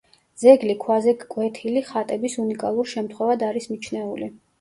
ძეგლი ქვაზე კვეთილი ხატების უნიკალურ შემთხვევად არის მიჩნეული.